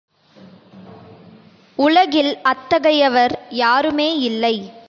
உலகில் அத்தகையவர் யாருமே இல்லை.